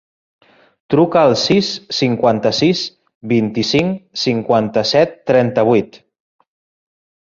Truca al sis, cinquanta-sis, vint-i-cinc, cinquanta-set, trenta-vuit.